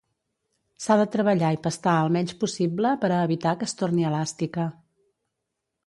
S'ha de treballar i pastar el menys possible per a evitar que es torni elàstica.